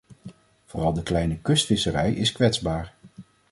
Vooral de kleine kustvisserij is kwetsbaar.